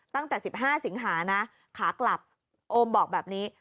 ตั้งแต่๑๕สิงหานะขากลับโอมบอกแบบนี้